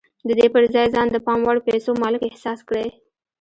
د دې پر ځای ځان د پام وړ پيسو مالک احساس کړئ.